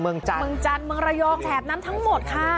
เมืองจันทร์เมืองระยองแถบนั้นทั้งหมดค่ะ